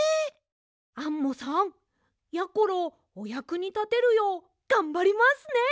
アンモさんやころおやくにたてるようがんばりますね！